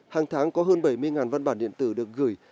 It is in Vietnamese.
hàng tháng có hơn bảy mươi văn bản điện tử được gửi